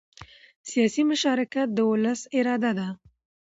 سیاسي مشارکت د ولس اراده ده